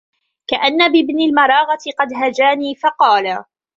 كَأَنَّ بِابْنِ الْمَرَاغَةِ قَدْ هَجَانِي فَقَالَ